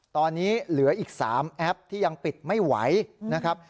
ตอนนี้เหลืออีก๓แอปที่ยังปิดไม่ไหวนะครับ